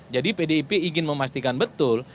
jadi pdip ingin memastikan betul